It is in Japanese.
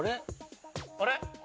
あれ？